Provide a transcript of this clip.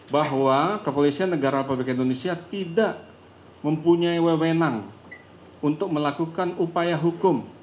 bahwa kepolisian negara republik indonesia tidak mempunyai wewenang untuk melakukan upaya hukum